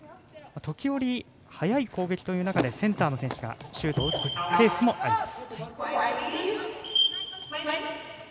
時折、速い攻撃という中でセンターの選手がシュートを打つケースもあります。